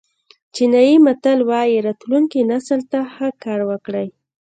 چینایي متل وایي راتلونکي نسل ته ښه کار وکړئ.